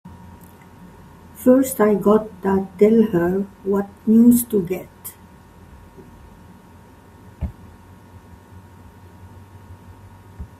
First I gotta tell her what news to get!